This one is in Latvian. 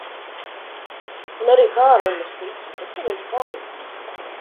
Un arī Kārlim es ticu, bet kur viņš palicis?